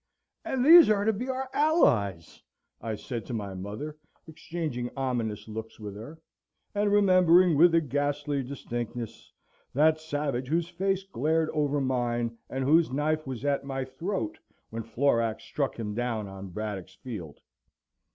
"And these are to be our allies!" I say to my mother, exchanging ominous looks with her, and remembering, with a ghastly distinctness, that savage whose face glared over mine, and whose knife was at my throat when Florac struck him down on Braddock's Field.